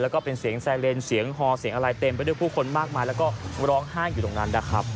แล้วก็เป็นเสียงไซเรนเสียงฮอเสียงอะไรเต็มไปด้วยผู้คนมากมายแล้วก็ร้องไห้อยู่ตรงนั้นนะครับ